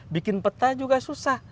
bikin peta juga susah